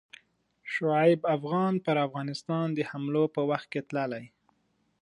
شعیب افغان پر افغانستان د حملو په وخت کې تللی.